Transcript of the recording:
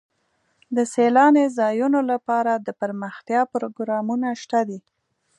د سیلاني ځایونو لپاره دپرمختیا پروګرامونه شته دي.